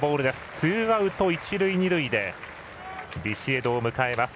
ツーアウト、一塁二塁でビシエドを迎えます。